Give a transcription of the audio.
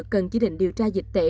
cần chỉ định điều tra dịch tễ